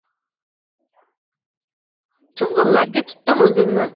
Chivgʻinlarga tutdim oʻzimni.